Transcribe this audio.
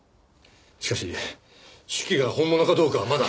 しかし手記が本物かどうかはまだ。